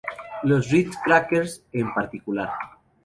Los Ritz Crackers en particular.